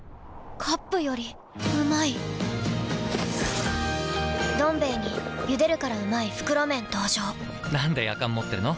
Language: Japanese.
カップよりうまい「どん兵衛」に「ゆでるからうまい！袋麺」登場なんでやかん持ってるの？